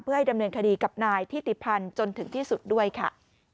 เพื่อให้ดำเนินคดีกับนายทิติพันธ์จนถึงที่สุดด้วยค่ะ